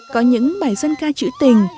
có những bài dân ca chữ tình